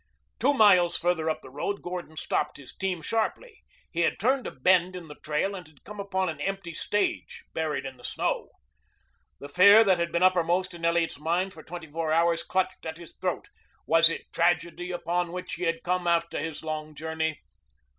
Two miles farther up the road Gordon stopped his team sharply. He had turned a bend in the trail and had come upon an empty stage buried in the snow. The fear that had been uppermost in Elliot's mind for twenty four hours clutched at his throat. Was it tragedy upon which he had come after his long journey?